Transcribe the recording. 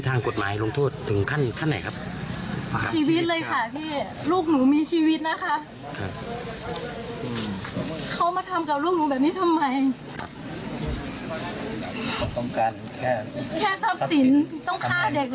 ต้องการแค่ทรัพย์สินต้องฆ่าเด็กเลยเหรอคะ